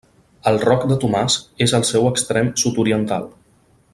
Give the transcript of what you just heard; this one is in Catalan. El Roc de Tomàs és el seu extrem sud-oriental.